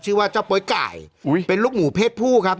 ชื่อว่าเจ้าโป๊ยไก่อุ้ยเป็นลูกหมูเพศผู้ครับ